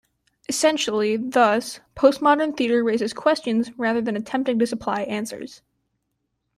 Essentially, thus, postmodern theatre raises questions rather than attempting to supply answers.